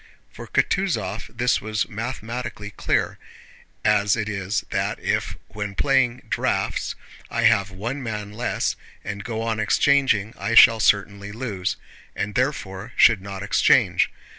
For Kutúzov this was mathematically clear, as it is that if when playing draughts I have one man less and go on exchanging, I shall certainly lose, and therefore should not exchange.